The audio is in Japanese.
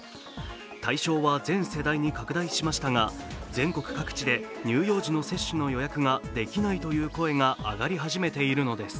対象は全世代に拡大しましたが、全国各地で乳幼児の接種の予約ができないという声が上がり始めているのです。